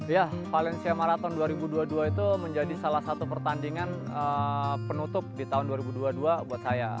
ya valencia marathon dua ribu dua puluh dua itu menjadi salah satu pertandingan penutup di tahun dua ribu dua puluh dua buat saya